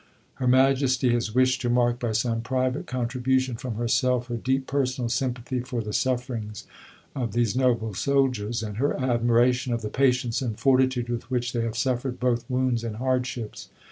Her Majesty has wished to mark by some private contribution from herself her deep personal sympathy for the sufferings of these noble soldiers, and her admiration of the patience and fortitude with which they have suffered both wounds and hardships.